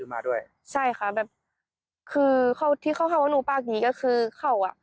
มาด้วยใช่ค่ะแบบคือเขาที่เขาหาว่าหนูปากนี้ก็คือเขาอ่ะ